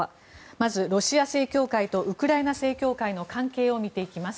まずロシア正教会とウクライナ正教会の関係を見ていきます。